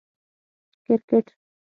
🏏 کرکټ